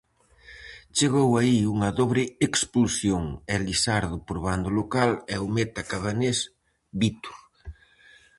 Chegou aí unha dobre expulsión, Elisardo por bando local e o meta cabanés Vítor.